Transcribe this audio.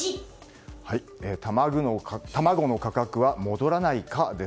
卵の価格は戻らないか。